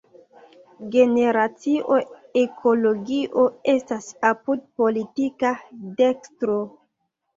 Generacio Ekologio estas apud politika dekstro.